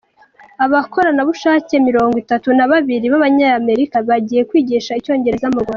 Abakoranabushake mirongo itatu nababiri b’Abanyamerika bagiye kwigisha icyongereza mu Rwanda